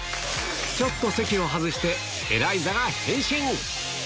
ちょっと席を外して、エライザが変身。